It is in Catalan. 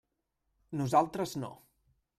Nosaltres no.